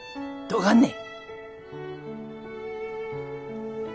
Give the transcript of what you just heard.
どがんね？